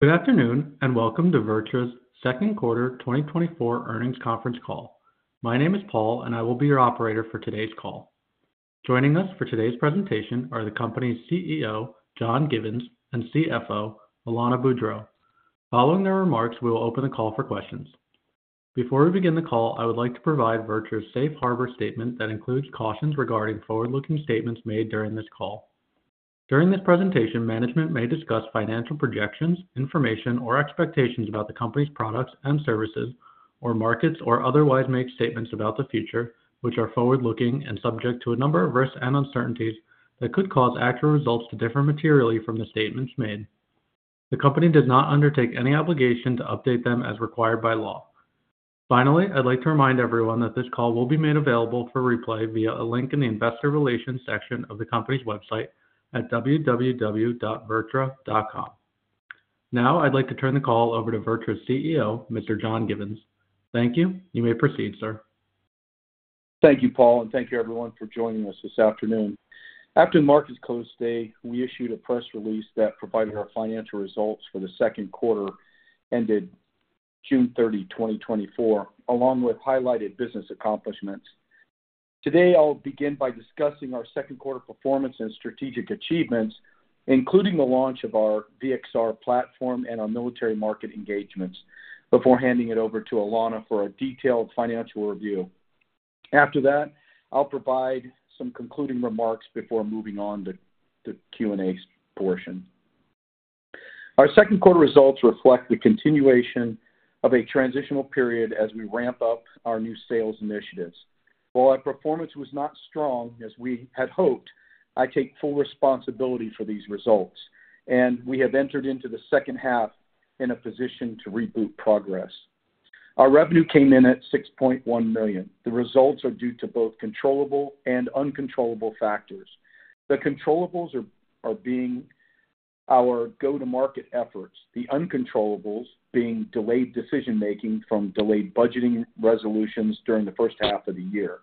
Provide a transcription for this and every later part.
Good afternoon, and welcome to VirTra's Second Quarter 2024 Earnings Conference Call. My name is Paul, and I will be your operator for today's call. Joining us for today's presentation are the company's Chief Executive Officer, John Givens, and Chief Financial Officer, Alanna Boudreau. Following their remarks, we will open the call for questions. Before we begin the call, I would like to provide VirTra's Safe Harbor statement that includes cautions regarding forward-looking statements made during this call. During this presentation, management may discuss financial projections, information, or expectations about the company's products and services or markets, or otherwise make statements about the future, which are forward-looking and subject to a number of risks and uncertainties that could cause actual results to differ materially from the statements made. The company does not undertake any obligation to update them as required by law. Finally, I'd like to remind everyone that this call will be made available for replay via a link in the Investor Relations section of the company's website at www.virtra.com. Now, I'd like to turn the call over to VirTra's Chief Executive Officer, Mr. John Givens. Thank you. You may proceed, sir. Thank you, Paul, and thank you everyone for joining us this afternoon. After the market's close today, we issued a press release that provided our financial results for the second quarter, ended June 30, 2024, along with highlighted business accomplishments. Today, I'll begin by discussing our second quarter performance and strategic achievements, including the launch of our V-XR platform and our military market engagements, before handing it over to Alana for a detailed financial review. After that, I'll provide some concluding remarks before moving on to the Q&A portion. Our second quarter results reflect the continuation of a transitional period as we ramp up our new sales initiatives. While our performance was not strong as we had hoped, I take full responsibility for these results, and we have entered into the second half in a position to reboot progress. Our revenue came in at $6.1 million. The results are due to both controllable and uncontrollable factors. The controllables are being our go-to-market efforts, the uncontrollables being delayed decision-making from delayed budgeting resolutions during the first half of the year.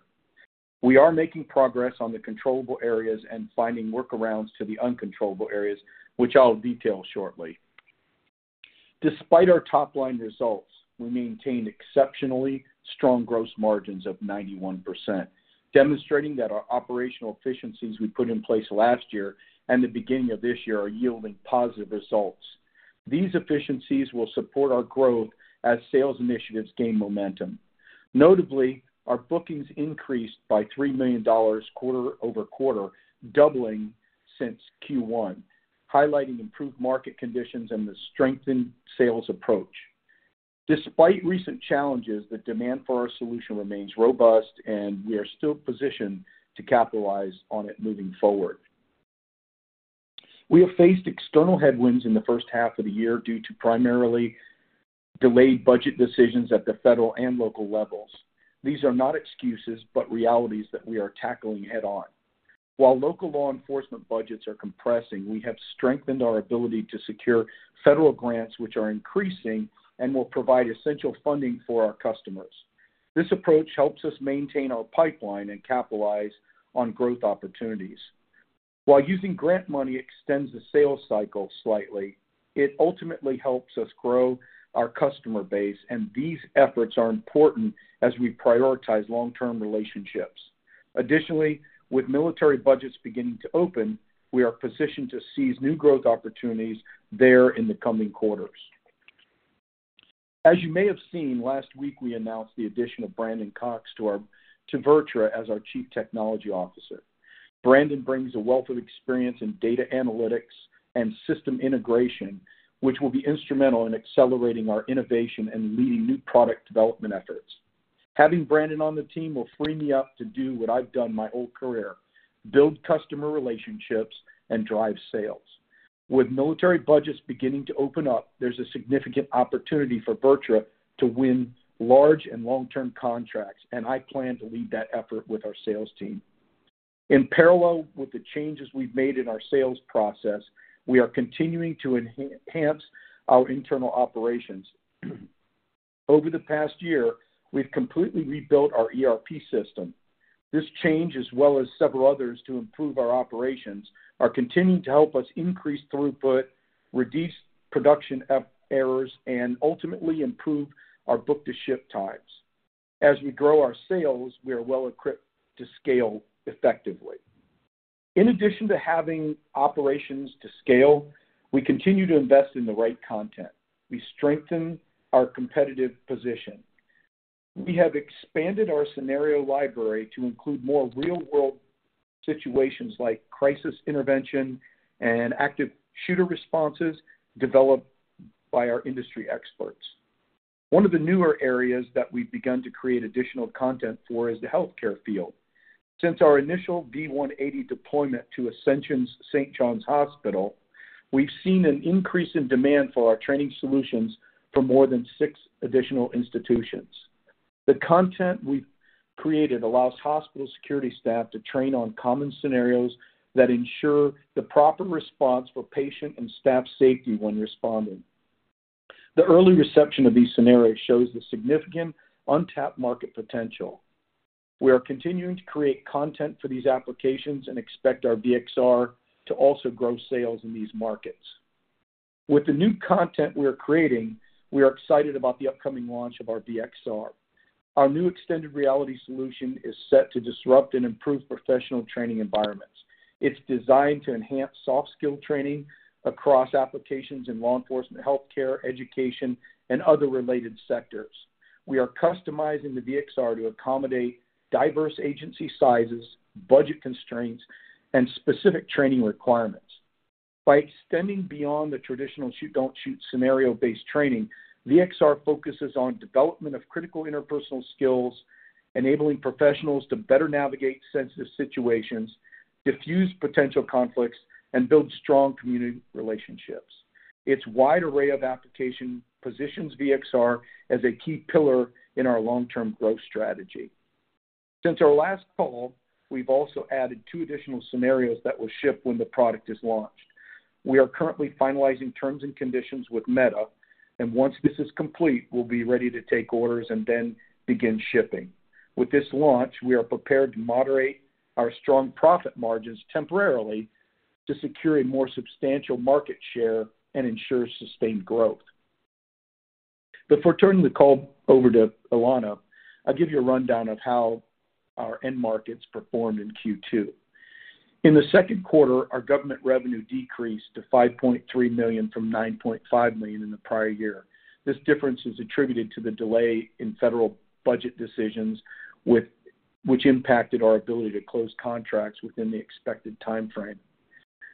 We are making progress on the controllable areas and finding workarounds to the uncontrollable areas, which I'll detail shortly. Despite our top-line results, we maintained exceptionally strong gross margins of 91%, demonstrating that our operational efficiencies we put in place last year and the beginning of this year are yielding positive results. These efficiencies will support our growth as sales initiatives gain momentum. Notably, our bookings increased by $3 million quarter-over-quarter, doubling since Q1, highlighting improved market conditions and the strengthened sales approach. Despite recent challenges, the demand for our solution remains robust, and we are still positioned to capitalize on it moving forward. We have faced external headwinds in the first half of the year due to primarily delayed budget decisions at the federal and local levels. These are not excuses, but realities that we are tackling head-on. While local law enforcement budgets are compressing, we have strengthened our ability to secure federal grants, which are increasing and will provide essential funding for our customers. This approach helps us maintain our pipeline and capitalize on growth opportunities. While using grant money extends the sales cycle slightly, it ultimately helps us grow our customer base, and these efforts are important as we prioritize long-term relationships. Additionally, with military budgets beginning to open, we are positioned to seize new growth opportunities there in the coming quarters. As you may have seen, last week, we announced the addition of Brandon Cox to VirTra as our Chief Technology Officer. Brandon brings a wealth of experience in data analytics and system integration, which will be instrumental in accelerating our innovation and leading new product development efforts. Having Brandon on the team will free me up to do what I've done my whole career: build customer relationships and drive sales. With military budgets beginning to open up, there's a significant opportunity for VirTra to win large and long-term contracts, and I plan to lead that effort with our sales team. In parallel with the changes we've made in our sales process, we are continuing to enhance our internal operations. Over the past year, we've completely rebuilt our ERP system. This change, as well as several others to improve our operations, are continuing to help us increase throughput, reduce production errors, and ultimately improve our book-to-ship times. As we grow our sales, we are well equipped to scale effectively. In addition to having operations to scale, we continue to invest in the right content. We strengthen our competitive position. We have expanded our scenario library to include more real-world situations, like crisis intervention and active shooter responses, developed by our industry experts. One of the newer areas that we've begun to create additional content for is the healthcare field. Since our initial V-180 deployment to Ascension St. John Hospital, we've seen an increase in demand for our training solutions for more than six additional institutions. The content we've created allows hospital security staff to train on common scenarios that ensure the proper response for patient and staff safety when responding. The early reception of these scenarios shows the significant untapped market potential.... We are continuing to create content for these applications and expect our V-XR to also grow sales in these markets. With the new content we are creating, we are excited about the upcoming launch of our V-XR. Our new extended reality solution is set to disrupt and improve professional training environments. It's designed to enhance soft skill training across applications in law enforcement, healthcare, education, and other related sectors. We are customizing the V-XR to accommodate diverse agency sizes, budget constraints, and specific training requirements. By extending beyond the traditional shoot, don't shoot scenario-based training, V-XR focuses on development of critical interpersonal skills, enabling professionals to better navigate sensitive situations, defuse potential conflicts, and build strong community relationships. Its wide array of application positions V-XR as a key pillar in our long-term growth strategy. Since our last call, we've also added two additional scenarios that will ship when the product is launched. We are currently finalizing terms and conditions with Meta, and once this is complete, we'll be ready to take orders and then begin shipping. With this launch, we are prepared to moderate our strong profit margins temporarily to secure a more substantial market share and ensure sustained growth. Before turning the call over to Alana, I'll give you a rundown of how our end markets performed in Q2. In the second quarter, our government revenue decreased to $5.3 million from $9.5 million in the prior year. This difference is attributed to the delay in federal budget decisions, which impacted our ability to close contracts within the expected time frame.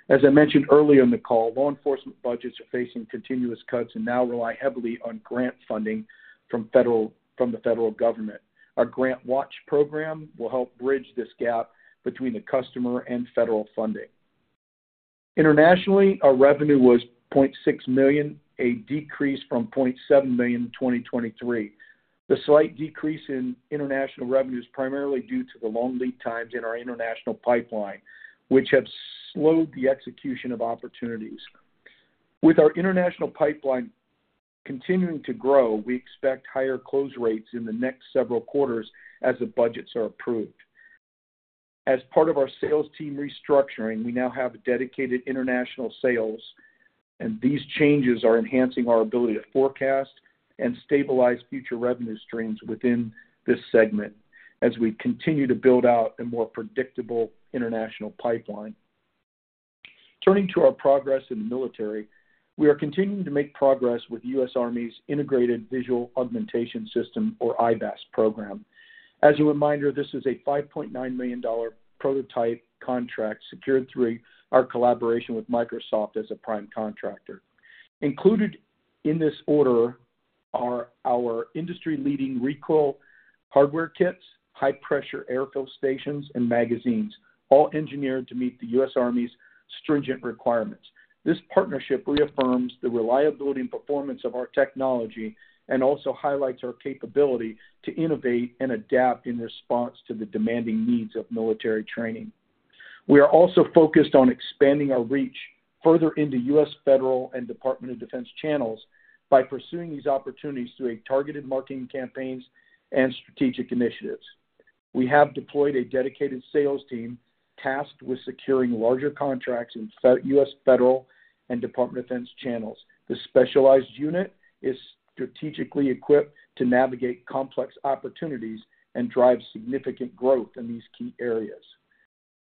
As I mentioned earlier in the call, law enforcement budgets are facing continuous cuts and now rely heavily on grant funding from the federal government. Our Grant Watch program will help bridge this gap between the customer and federal funding. Internationally, our revenue was $0.6 million, a decrease from $0.7 million in 2023. The slight decrease in international revenue is primarily due to the long lead times in our international pipeline, which have slowed the execution of opportunities. With our international pipeline continuing to grow, we expect higher close rates in the next several quarters as the budgets are approved. As part of our sales team restructuring, we now have a dedicated international sales, and these changes are enhancing our ability to forecast and stabilize future revenue streams within this segment as we continue to build out a more predictable international pipeline. Turning to our progress in the military, we are continuing to make progress with U.S. Army's Integrated Visual Augmentation System, or IVAS, program. As a reminder, this is a $5.9 million prototype contract secured through our collaboration with Microsoft as a prime contractor. Included in this order are our industry-leading recoil hardware kits, high-pressure air fill stations, and magazines, all engineered to meet the U.S. Army's stringent requirements. This partnership reaffirms the reliability and performance of our technology and also highlights our capability to innovate and adapt in response to the demanding needs of military training. We are also focused on expanding our reach further into U.S. Federal and Department of Defense channels by pursuing these opportunities through a targeted marketing campaigns and strategic initiatives. We have deployed a dedicated sales team tasked with securing larger contracts in U.S. Federal and Department of Defense channels. This specialized unit is strategically equipped to navigate complex opportunities and drive significant growth in these key areas.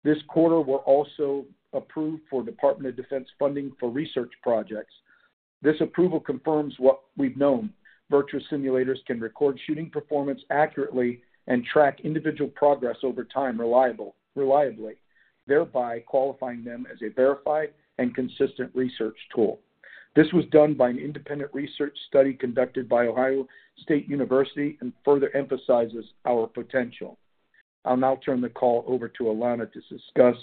This quarter, we're also approved for Department of Defense funding for research projects. This approval confirms what we've known: VirTra simulators can record shooting performance accurately and track individual progress over time reliably, thereby qualifying them as a verified and consistent research tool. This was done by an independent research study conducted by Ohio State University and further emphasizes our potential. I'll now turn the call over to Alana to discuss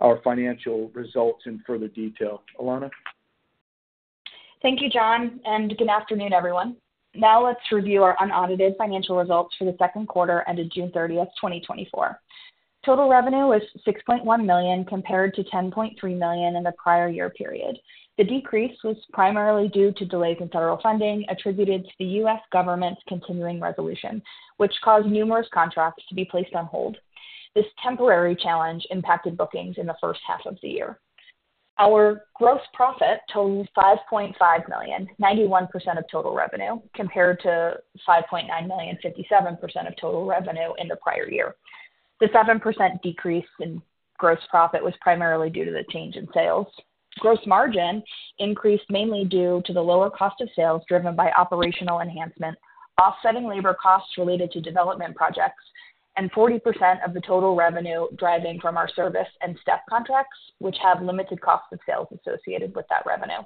our financial results in further detail. Alana? Thank you, John, and good afternoon, everyone. Now let's review our unaudited financial results for the second quarter ended June 30, 2024. Total revenue was $6.1 million, compared to $10.3 million in the prior year period. The decrease was primarily due to delays in federal funding attributed to the U.S. government's continuing resolution, which caused numerous contracts to be placed on hold. This temporary challenge impacted bookings in the first half of the year. Our gross profit totaled $5.5 million, 91% of total revenue, compared to $5.9 million, 57% of total revenue in the prior year. The 7% decrease in gross profit was primarily due to the change in sales. Gross margin increased mainly due to the lower cost of sales driven by operational enhancement, offsetting labor costs related to development projects, and 40% of the total revenue deriving from our service and S.T.E.P. contracts, which have limited cost of sales associated with that revenue.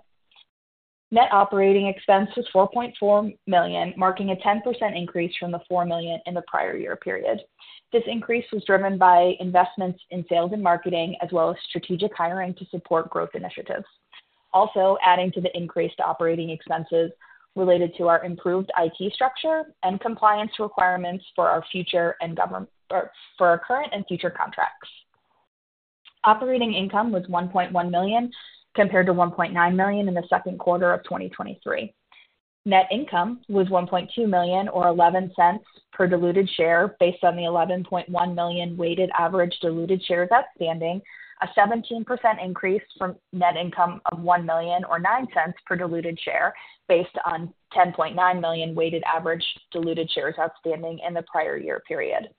Net operating expense was $4.4 million, marking a 10% increase from the $4 million in the prior year period. This increase was driven by investments in sales and marketing, as well as strategic hiring to support growth initiatives. Also adding to the increase to operating expenses related to our improved IT structure and compliance requirements for our future and government- or for our current and future contracts. Operating income was $1.1 million, compared to $1.9 million in the second quarter of 2023. Net income was $1.2 million, or $0.11 per diluted share, based on the 11.1 million weighted average diluted shares outstanding, a 17% increase from net income of $1 million, or $0.09 per diluted share, based on 10.9 million weighted average diluted shares outstanding in the prior year period.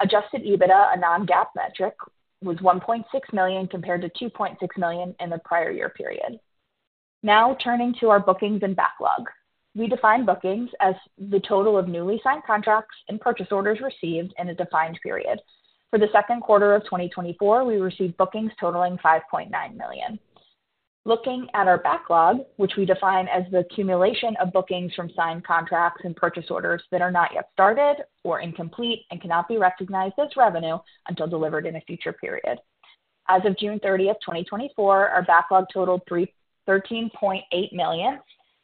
Adjusted EBITDA, a non-GAAP metric, was $1.6 million, compared to $2.6 million in the prior year period. Now, turning to our bookings and backlog. We define bookings as the total of newly signed contracts and purchase orders received in a defined period. For the second quarter of 2024, we received bookings totaling $5.9 million. Looking at our backlog, which we define as the accumulation of bookings from signed contracts and purchase orders that are not yet started or incomplete and cannot be recognized as revenue until delivered in a future period. As of June 30, 2024, our backlog totaled $313.8 million.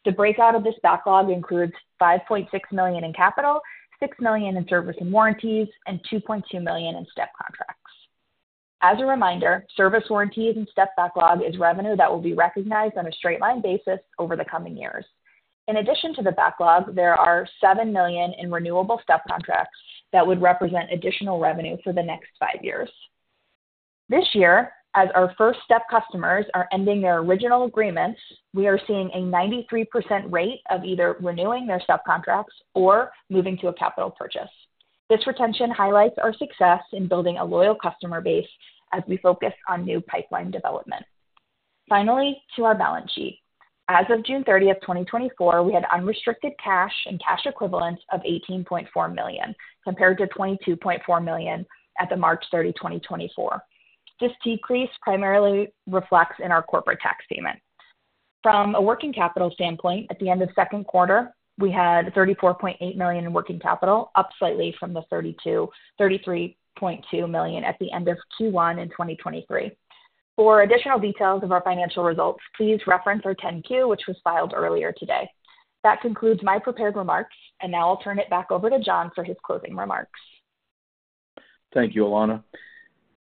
The breakout of this backlog includes $5.6 million in capital, $6 million in service and warranties, and $2.2 million in S.T.E.P. contracts. As a reminder, service warranties and S.T.E.P. backlog is revenue that will be recognized on a straight line basis over the coming years. In addition to the backlog, there are $7 million in renewable S.T.E.P. contracts that would represent additional revenue for the next five years. This year, as our first S.T.E.P. customers are ending their original agreements, we are seeing a 93% rate of either renewing their S.T.E.P. contracts or moving to a capital purchase. This retention highlights our success in building a loyal customer base as we focus on new pipeline development. Finally, to our balance sheet. As of June 30, 2024, we had unrestricted cash and cash equivalents of $18.4 million, compared to $22.4 million at March 30, 2024. This decrease primarily reflects in our corporate tax payments. From a working capital standpoint, at the end of second quarter, we had $34.8 million in working capital, up slightly from the $33.2 million at the end of Q1 in 2023. For additional details of our financial results, please reference our 10-Q, which was filed earlier today. That concludes my prepared remarks, and now I'll turn it back over to John for his closing remarks. Thank you, Alana.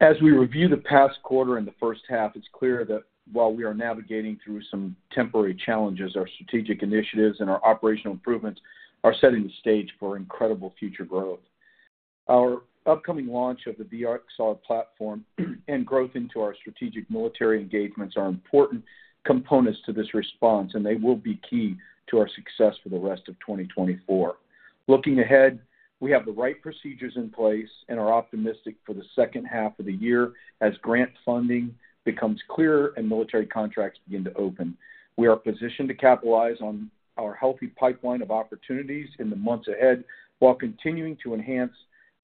As we review the past quarter and the first half, it's clear that while we are navigating through some temporary challenges, our strategic initiatives and our operational improvements are setting the stage for incredible future growth. Our upcoming launch of the V-XR platform and growth into our strategic military engagements are important components to this response, and they will be key to our success for the rest of 2024. Looking ahead, we have the right procedures in place and are optimistic for the second half of the year as grant funding becomes clearer and military contracts begin to open. We are positioned to capitalize on our healthy pipeline of opportunities in the months ahead, while continuing to enhance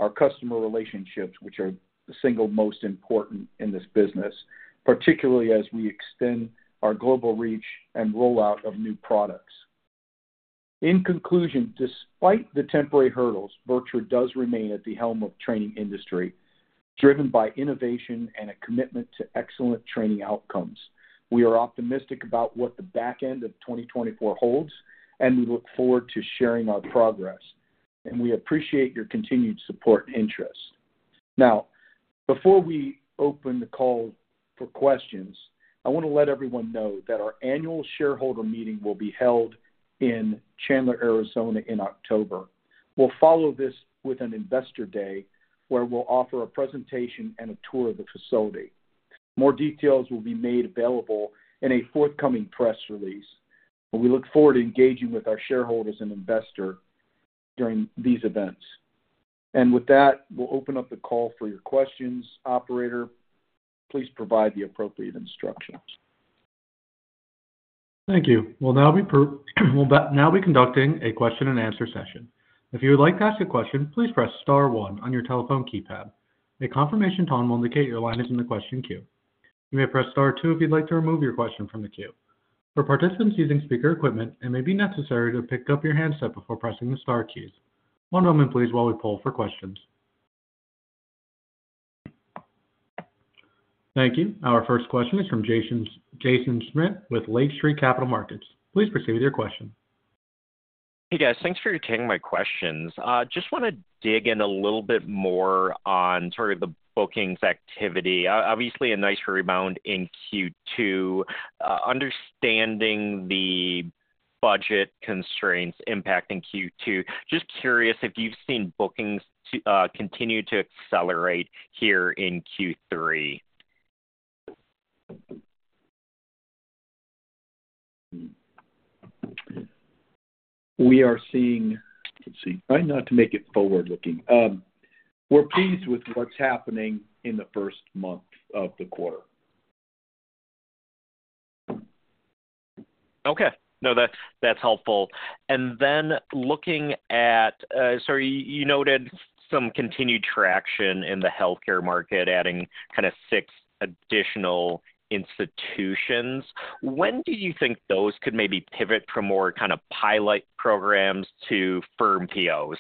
our customer relationships, which are the single most important in this business, particularly as we extend our global reach and rollout of new products. In conclusion, despite the temporary hurdles, VirTra does remain at the helm of the training industry, driven by innovation and a commitment to excellent training outcomes. We are optimistic about what the back end of 2024 holds, and we look forward to sharing our progress, and we appreciate your continued support and interest. Now, before we open the call for questions, I want to let everyone know that our annual shareholder meeting will be held in Chandler, Arizona, in October. We'll follow this with an Investor Day, where we'll offer a presentation and a tour of the facility. More details will be made available in a forthcoming press release, and we look forward to engaging with our shareholders and investors during these events. With that, we'll open up the call for your questions. Operator, please provide the appropriate instructions. Thank you. We'll now be conducting a question-and-answer session. If you would like to ask a question, please press star one on your telephone keypad. A confirmation tone will indicate your line is in the question queue. You may press star two if you'd like to remove your question from the queue. For participants using speaker equipment, it may be necessary to pick up your handset before pressing the star keys. One moment, please, while we poll for questions. Thank you. Our first question is from Jaeson Schmidt with Lake Street Capital Markets. Please proceed with your question. Hey, guys, thanks for taking my questions. Just want to dig in a little bit more on sort of the bookings activity. Obviously, a nice rebound in Q2. Understanding the budget constraints impacting Q2, just curious if you've seen bookings to continue to accelerate here in Q3. We are seeing... Let's see. Try not to make it forward-looking. We're pleased with what's happening in the first month of the quarter. Okay. No, that's, that's helpful. And then looking at, so you noted some continued traction in the healthcare market, adding kind of six additional institutions. When do you think those could maybe pivot from more kind of pilot programs to firm POs?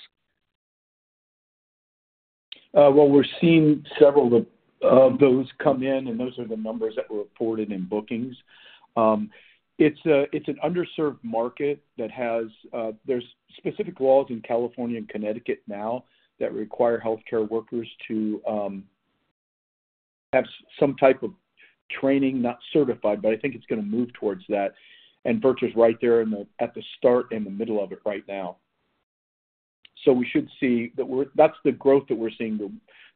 Well, we're seeing several of those come in, and those are the numbers that were reported in bookings. It's an underserved market that has, there's specific laws in California and Connecticut now that require healthcare workers to have some type of training, not certified, but I think it's going to move towards that. And VirTra's right there in the, at the start, in the middle of it right now. So we should see that we're—that's the growth that we're seeing,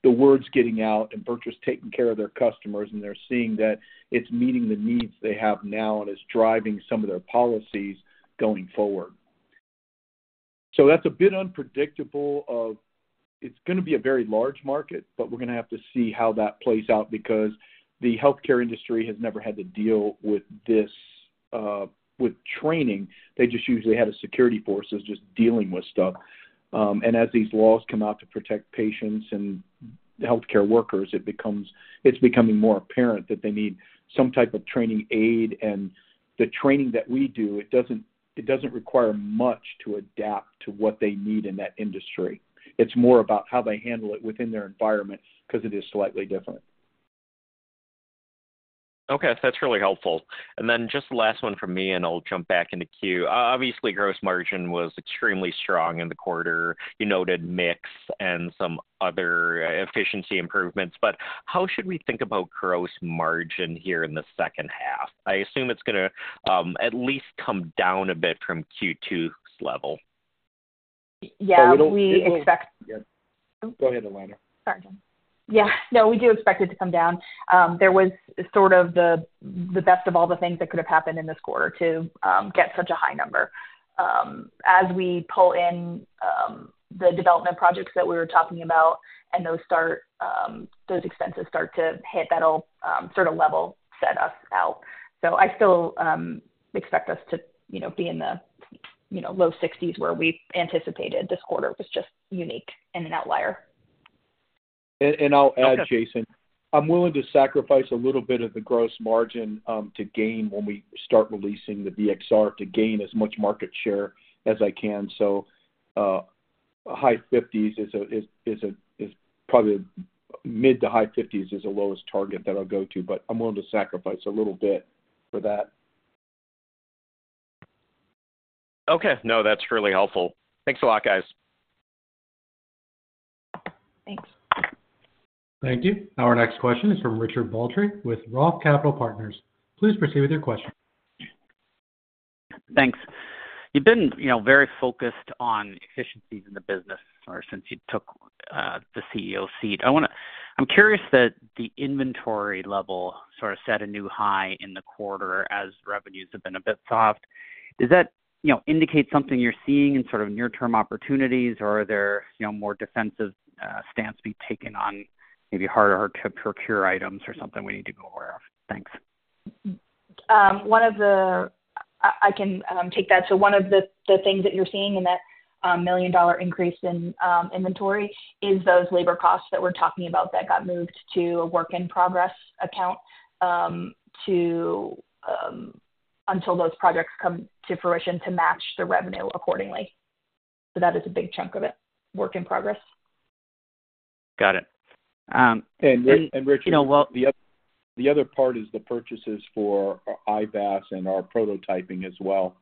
the word's getting out, and VirTra's taking care of their customers, and they're seeing that it's meeting the needs they have now, and it's driving some of their policies going forward. So that's a bit unpredictable if it's gonna be a very large market, but we're gonna have to see how that plays out because the healthcare industry has never had to deal with this with training. They just usually had a security force that's just dealing with stuff. And as these laws come out to protect patients and the healthcare workers, it becomes, it's becoming more apparent that they need some type of training aid. And the training that we do, it doesn't, it doesn't require much to adapt to what they need in that industry. It's more about how they handle it within their environment because it is slightly different. Okay, that's really helpful. And then just the last one from me, and I'll jump back in the queue. Obviously, gross margin was extremely strong in the quarter. You noted mix and some other efficiency improvements, but how should we think about gross margin here in the second half? I assume it's gonna, at least come down a bit from Q2's level. Yeah, we expect- Go ahead, Alana. Sorry. Yeah. No, we do expect it to come down. There was sort of the best of all the things that could have happened in this quarter to get such a high number. As we pull in the development projects that we were talking about and those expenses start to hit, that'll sort of level set us out. So I still expect us to, you know, be in the, you know, low sixties where we anticipated. This quarter was just unique and an outlier. I'll add, Jaeson, I'm willing to sacrifice a little bit of the gross margin to gain when we start releasing the V-XR to gain as much market share as I can. So, high fifties is probably mid- to high fifties is the lowest target that I'll go to, but I'm willing to sacrifice a little bit for that. Okay. No, that's really helpful. Thanks a lot, guys. Thanks. Thank you. Our next question is from Richard Baldry with Roth Capital Partners. Please proceed with your question. Thanks. You've been, you know, very focused on efficiencies in the business ever since you took the Chief Executive Officer seat. I wanna- I'm curious that the inventory level sort of set a new high in the quarter as revenues have been a bit soft. Does that, you know, indicate something you're seeing in sort of near-term opportunities, or are there, you know, more defensive stance being taken on maybe harder to procure items or something we need to be aware of? Thanks. I can take that. So one of the things that you're seeing in that $1 million increase in inventory is those labor costs that we're talking about that got moved to a work in progress account until those projects come to fruition to match the revenue accordingly. So that is a big chunk of it, work in progress. Got it. And, Richard- You know what? The other, the other part is the purchases for IVAS and our prototyping as well.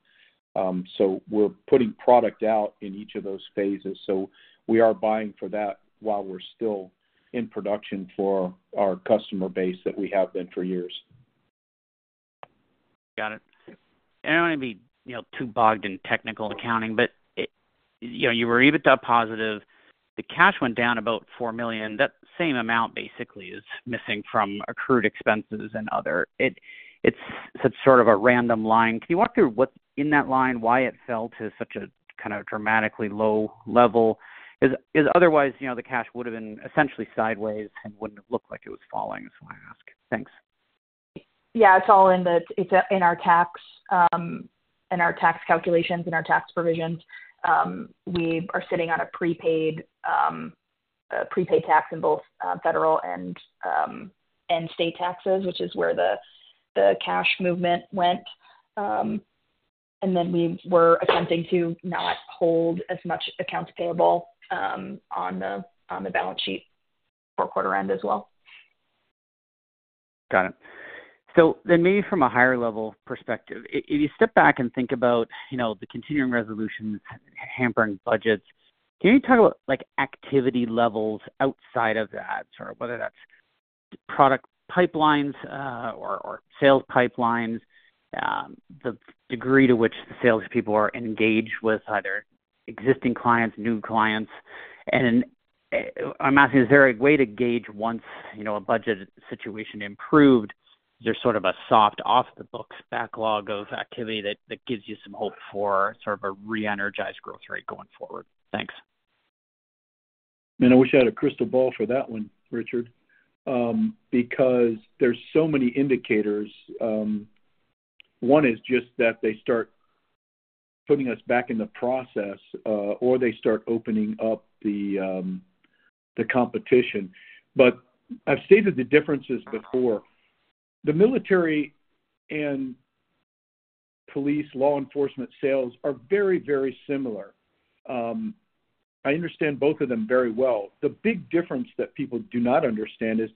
So we're putting product out in each of those phases, so we are buying for that while we're still in production for our customer base that we have been for years. Got it. I don't want to be, you know, too bogged down in technical accounting, but, you know, you were EBITDA positive. The cash went down about $4 million. That same amount basically is missing from accrued expenses and other. It's sort of a random line. Can you walk through what's in that line, why it fell to such a kind of dramatically low level? Otherwise, you know, the cash would have been essentially sideways and wouldn't have looked like it was falling, so I ask. Thanks. Yeah, it's all in our tax calculations and our tax provisions. We are sitting on a prepaid tax in both federal and state taxes, which is where the cash movement went. And then we were attempting to not hold as much accounts payable on the balance sheet for quarter end as well. Got it. So then maybe from a higher level perspective, if you step back and think about, you know, the Continuing Resolution hampering budgets, can you talk about, like, activity levels outside of that? Sort of whether that's product pipelines, or sales pipelines, the degree to which the salespeople are engaged with either existing clients, new clients. And I'm asking, is there a way to gauge once, you know, a budget situation improved, there's sort of a soft off-the-books backlog of activity that gives you some hope for sort of a re-energized growth rate going forward? Thanks. Man, I wish I had a crystal ball for that one, Richard, because there's so many indicators. One is just that they start putting us back in the process, or they start opening up the competition. But I've stated the differences before. The military and police, law enforcement sales are very, very similar. I understand both of them very well. The big difference that people do not understand is,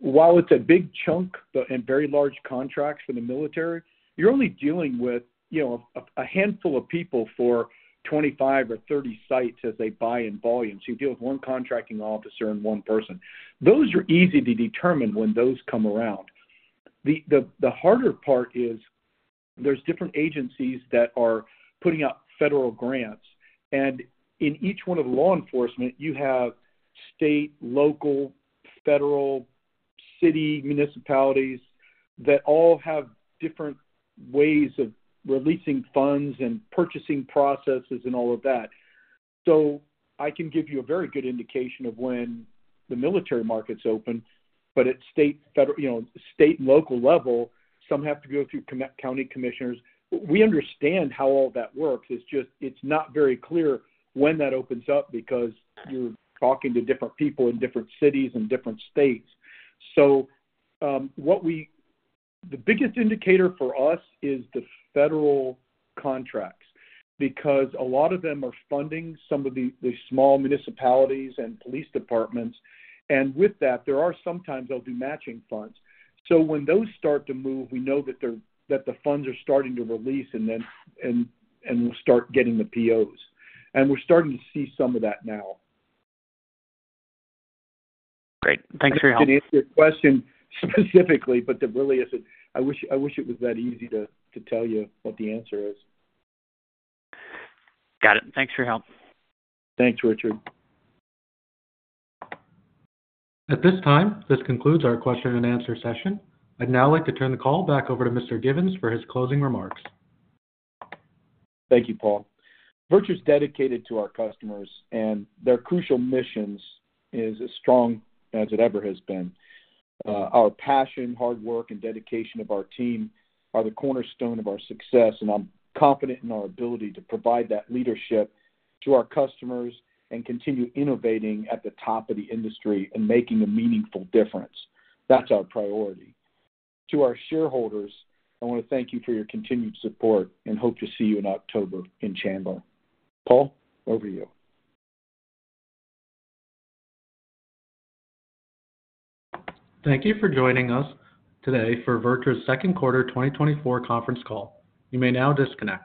while it's a big chunk but in very large contracts for the military, you're only dealing with, you know, a handful of people for 25 or 30 sites as they buy in volume. So you deal with one contracting officer and one person. Those are easy to determine when those come around. The harder part is... There's different agencies that are putting out federal grants, and in each one of law enforcement, you have state, local, federal, city municipalities that all have different ways of releasing funds and purchasing processes and all of that. So I can give you a very good indication of when the military market's open, but at state, federal, you know, state and local level, some have to go through county commissioners. We understand how all that works. It's just, it's not very clear when that opens up because you're talking to different people in different cities and different states. So, the biggest indicator for us is the federal contracts, because a lot of them are funding some of the small municipalities and police departments. And with that, there are sometimes they'll do matching funds. So when those start to move, we know that the funds are starting to release, and then we'll start getting the POs, and we're starting to see some of that now. Great. Thanks for your help. I didn't answer your question specifically, but there really isn't... I wish, I wish it was that easy to tell you what the answer is. Got it. Thanks for your help. Thanks, Richard. At this time, this concludes our question and answer session. I'd now like to turn the call back over to Mr. Givens for his closing remarks. Thank you, Paul. VirTra is dedicated to our customers, and their crucial missions is as strong as it ever has been. Our passion, hard work, and dedication of our team are the cornerstone of our success, and I'm confident in our ability to provide that leadership to our customers and continue innovating at the top of the industry and making a meaningful difference. That's our priority. To our shareholders, I wanna thank you for your continued support, and hope to see you in October in Chandler. Paul, over to you. Thank you for joining us today for VirTra's Second Quarter 2024 Conference Call. You may now disconnect.